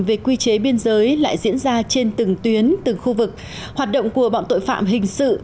về quy chế biên giới lại diễn ra trên từng tuyến từng khu vực hoạt động của bọn tội phạm hình sự